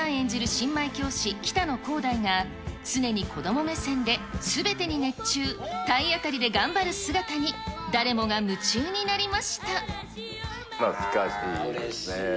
新米教師、北野広大が、常に子ども目線ですべてに熱中、体当たりで頑張る姿に、誰もが夢懐かしいですね。